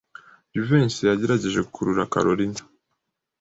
Jivency yagerageje gukurura Kalorina.